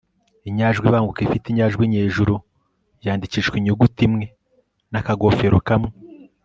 inyajwi ibanguka ifite inyajwi nyejuru yandikishwa inyuguti imwe n'akagofero kamwe